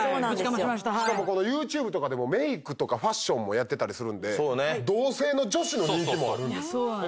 しかもＹｏｕＴｕｂｅとかでメークとかファッションもやってたりするんで同性の女子の人気もあるんですよ。